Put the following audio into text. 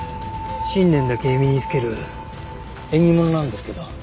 新年だけ身につける縁起物なんですけど。